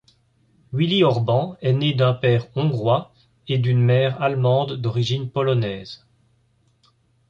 Willi Orban est né d'un père hongrois et d'une mère allemande d'origine polonaise.